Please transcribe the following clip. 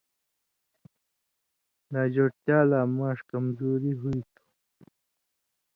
ناجوڑتیا لا ماݜ کمزوری ہوئی تھو ۔